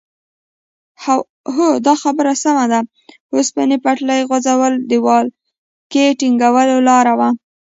هو دا خبره سمه ده د اوسپنې پټلۍ غځول د ولکې ټینګولو لاره وه.